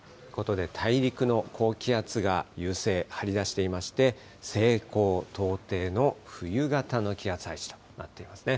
大陸の高気圧が優勢、張り出していまして、西高東低の冬型の気圧配置となっていますね。